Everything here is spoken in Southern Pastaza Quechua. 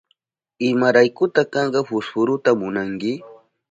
¿Imaraykuta kanka fusfuruta munanki?